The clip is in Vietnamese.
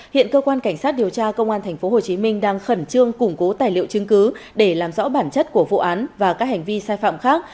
hiện cơ quan cảnh sát điều tra công an tp hcm đang khẩn trương củng cố tài liệu chứng cứ để làm rõ bản chất của vụ án và các hành vi sai phạm khác